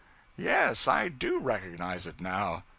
'Yes, I do recognize it now.